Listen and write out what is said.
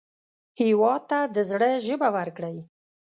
هېواد ته د زړه ژبه ورکړئ